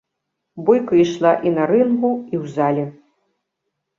Бойка ішла і на рынгу, і ў зале.